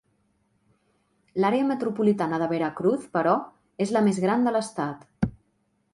L'àrea metropolitana de Veracruz, però, és la més gran de l'estat.